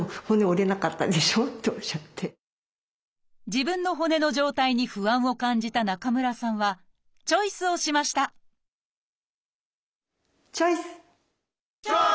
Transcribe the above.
自分の骨の状態に不安を感じた中村さんはチョイスをしましたチョイス！